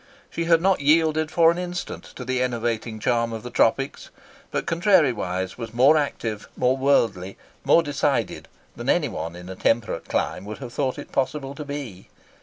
She had not yielded for an instant to the enervating charm of the tropics, but contrariwise was more active, more worldly, more decided than anyone in a temperate clime would have thought it possible to be.